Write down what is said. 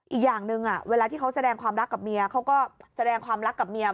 อีกอย่างหนึ่งเวลาที่เขาแสดงความรักกับเมียเขาก็แสดงความรักกับเมีย